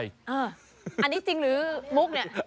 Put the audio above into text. อันนี้จริงหรือมุกเนี่ย